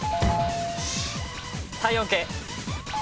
体温計。